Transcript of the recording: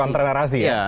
kontra narasi ya